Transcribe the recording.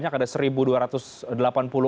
jumlahnya cukup banyak